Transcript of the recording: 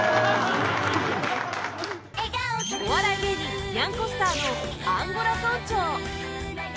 お笑い芸人にゃんこスターのアンゴラ村長